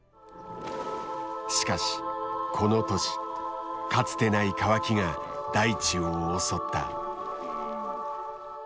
しかしこの年かつてない乾きが大地を襲った。